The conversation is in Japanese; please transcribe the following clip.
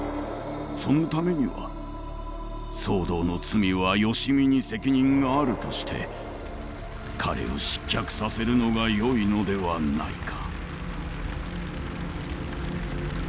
そのためには騒動の罪は良相に責任があるとして彼を失脚させるのがよいのではないか？